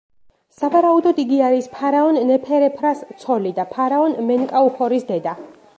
სავარაუდოდ, იგი არის ფარაონ ნეფერეფრას ცოლი და ფარაონ მენკაუჰორის დედა.